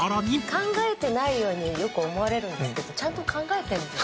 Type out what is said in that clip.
考えてないようによく思われるんですけどちゃんと考えてるんですよ。